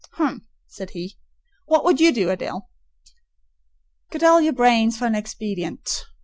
"Hem!" said he. "What would you do, Adèle? Cudgel your brains for an expedient.